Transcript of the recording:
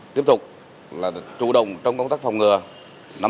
tiếp tục chủ động trong công tác phòng ngừa